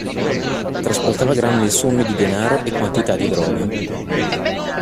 Trasportava grandi somme di denaro e quantità di droga.